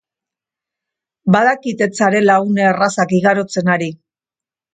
Badakit e zarela une errazak igarotzen ari.